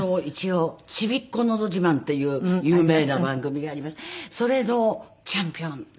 一応『ちびっこのどじまん』っていう有名な番組がありましてそれのチャンピオン。